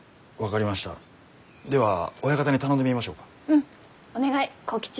うんお願い幸吉。